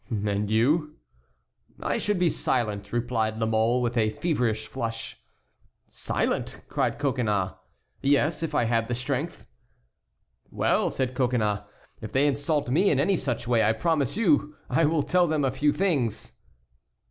"And you?" "I should be silent," replied La Mole, with a feverish flush. "Silent?" cried Coconnas. "Yes, if I had the strength." "Well," said Coconnas, "if they insult me in any such way I promise you I will tell them a few things."